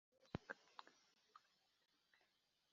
Intebe y'inteko itange amategeko